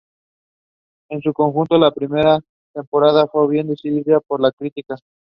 En su conjunto, la primera temporada fue bien recibida por la crítica.